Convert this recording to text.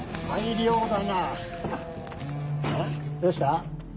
どうした？